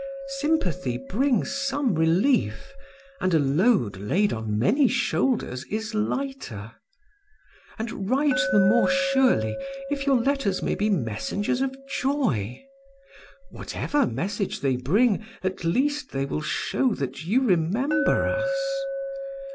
Sympathy brings some relief, and a load laid on many shoulders is lighter. And write the more surely, if your letters may be messengers of joy. Whatever message they bring, at least they will show that you remember us.